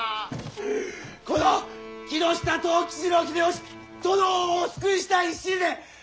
この木下藤吉郎秀吉殿をお救いしたい一心で一人で！